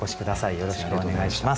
よろしくお願いします。